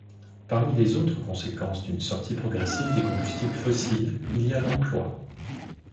Parmi les autres conséquences d'une sortie progressive des combustibles fossiles, il y a l'emploi.